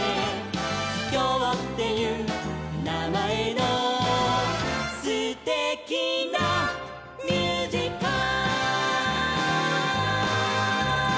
「きょうっていうなまえのすてきなミュージカル」「」